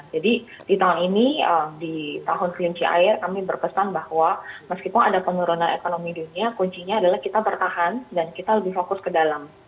di tahun ini di tahun kelinci air kami berpesan bahwa meskipun ada penurunan ekonomi dunia kuncinya adalah kita bertahan dan kita lebih fokus ke dalam